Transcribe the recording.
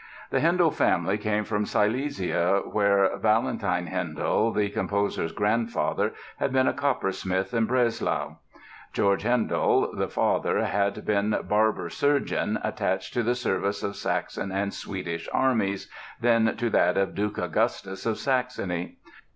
The Handel family came from Silesia, where Valentine Handel, the composer's grandfather, had been a coppersmith in Breslau. George Handel, the father, had been "barber surgeon," attached to the service of Saxon and Swedish armies, then to that of Duke Augustus of Saxony.